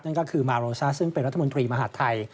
นั่นก็คือมาโรซาซึ่งเป็นรัฐมนตรีมหาดไทย